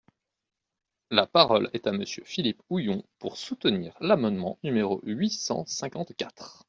La parole est à Monsieur Philippe Houillon, pour soutenir l’amendement numéro huit cent cinquante-quatre.